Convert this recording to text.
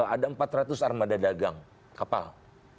ada empat ratus armada dagang kapal